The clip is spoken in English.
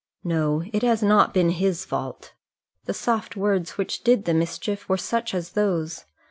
No; it has not been his fault. The soft words which did the mischief were such as those.